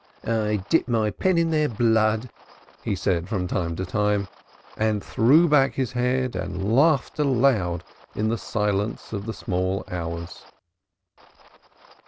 "I dip my pen in their blood," he said from time to time, and threw back his head and laughed aloud in the silence of the small hours.